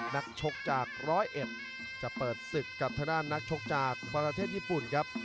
นักชกจากร้อยเอ็ดจะเปิดศึกกับทางด้านนักชกจากประเทศญี่ปุ่นครับ